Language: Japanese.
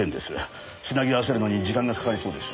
繋ぎ合わせるのに時間がかかりそうです。